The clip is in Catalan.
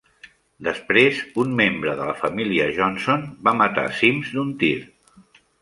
Després, un membre de la família Johnson va matar Sims d'un tir.